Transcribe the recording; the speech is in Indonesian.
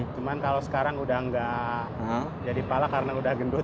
cuma kalau sekarang udah nggak jadi pala karena udah gendut